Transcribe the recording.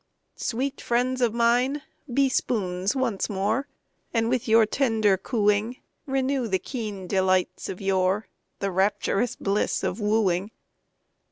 Sweet friends of mine, be spoons once more, And with your tender cooing Renew the keen delights of yore The rapturous bliss of wooing.